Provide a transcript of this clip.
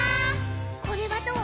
「これはどう？」